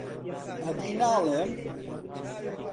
ئەدی ناڵێم